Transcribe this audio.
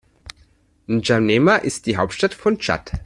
N’Djamena ist die Hauptstadt von Tschad.